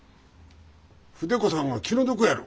筆子さんが気の毒やろ。